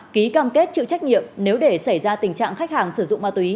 ký cam kết chịu trách nhiệm nếu để xảy ra tình trạng khách hàng sử dụng ma túy